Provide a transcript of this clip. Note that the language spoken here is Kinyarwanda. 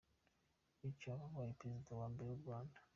Bityo aba abaye Perezida wa mbere w’u Rwanda.